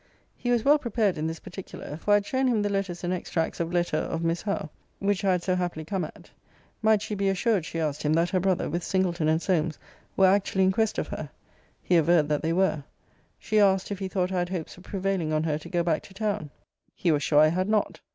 He was well prepared in this particular; for I had shown him the letters and extracts of letter of Miss Howe, which I had so happily come at.* Might she be assured, she asked him, that her brother, with Singleton and Solmes, were actually in quest of her? * Vol. IV. Letter XLIV. He averred that they were. She asked, if he thought I had hopes of prevailing on her to go back to town? He was sure I had not.